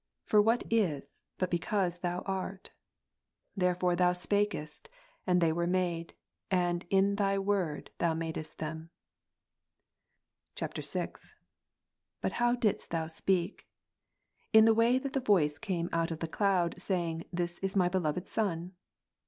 Jii^ii For what is, but because Thou art ? Therefore Thou spakest, 9, 6. ' and they ivere made, and in Thy Word Thou madest them. [VI.] 8. But how didst Thou speak ? In the way that the Mat. 17, voice came out of the cloud, saying. This is My beloved Son